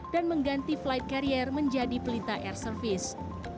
dan mengganti flight carrier menjadi pelita air service